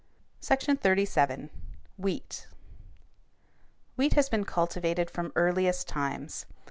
SECTION XXXVII. WHEAT Wheat has been cultivated from earliest times.